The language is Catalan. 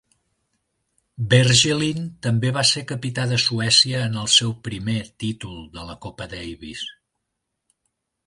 Bergelin també va ser capità de Suècia en el seu primer títol de la Copa Davis.